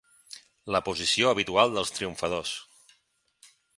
La posició habitual dels triomfadors.